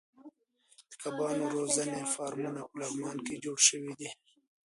د کبانو روزنې فارمونه په لغمان کې جوړ شوي دي.